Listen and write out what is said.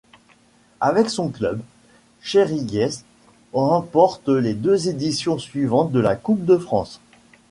Avec son club, Chayriguès remporte les deux éditions suivante de la Coupe de France.